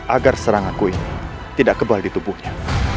agar seranganku ini tidak kebal di tubuhnya